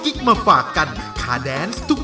คุณแม่รู้สึกยังไงในตัวของกุ้งอิงบ้าง